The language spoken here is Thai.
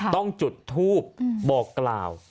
ต้องจุดทูบบอกกล่าว